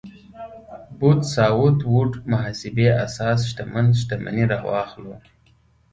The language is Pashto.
بوث ساوت ووډ محاسبې اساس شتمن شتمني راواخلو.